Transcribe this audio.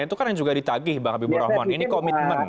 itu kan yang juga ditagih bang habibur rahman ini komitmen